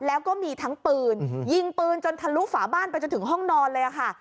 แล้วก็มีทั้งปืนยิงปืนจนทะลุฝาบ้านไปจนถึงห้องนอนเลยค่ะ